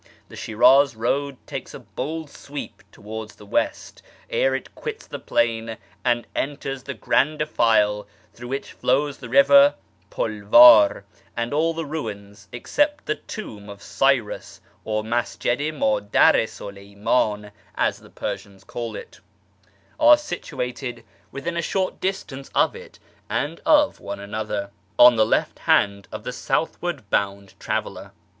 The Shi'raz road takes a bold sweep towards the west ere it quits the plain and enters the grand defile through which flows the river Pulvar, and all the ruins except the Tomb of Cyrus (or Masjid i Mddar i Suleymdn, as the Persians call it) are situated within FROM ISFAHAN TO SH/rAZ 239 a short distance of it and of one another, on the left hand of the southward bound traveller.